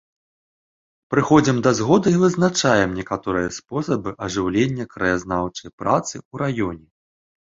Прыходзім да згоды і вызначаем некаторыя спосабы ажыўлення краязнаўчай працы ў раёне.